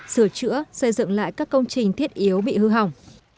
sửa chữa xây dựng lại các công trình thiết yếu bị hư hỏng